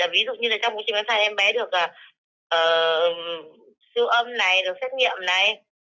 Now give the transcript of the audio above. ví dụ như là trong quá trình mang thai em bé được sưu âm này được xét nghiệm này